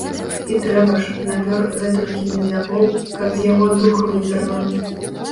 І трэба ж, напёр гэтулькі медзякоў, каб з яго дух выперла.